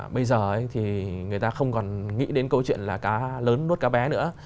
bây giờ thì người ta không còn nghĩ đến câu chuyện là cá lớn nốt cá bé nữa